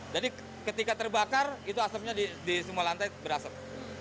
jadi ketika terbakar itu asapnya di semua lantai berasap